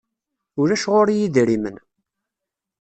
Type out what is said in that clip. Ulac ɣur-i idrimen.